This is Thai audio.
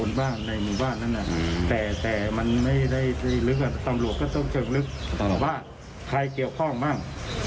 ตำรวจบ้างใครเกี่ยวข้องบ้าง